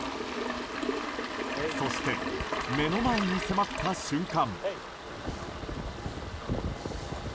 そして、目の前に迫った瞬間。